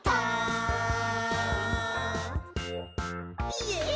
イエイ！